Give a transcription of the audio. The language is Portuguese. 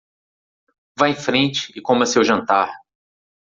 Vá em frente e coma seu jantar.